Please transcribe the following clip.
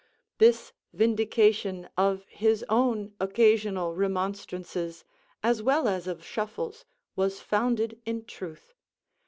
This vindication of his own occasional remonstrances, as well as of Shuffle's, was founded in truth.